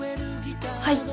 はい。